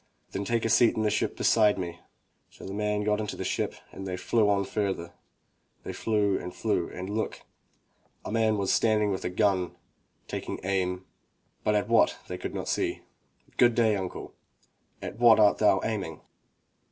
"Then take a seat in the ship beside me." So the man got into the ship and they flew on further. They flew and flew and look! — a man was standing with a gun and taking aim, but at what they could not see. "Good day, uncle, at what art thou aiming?"